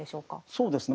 そうですね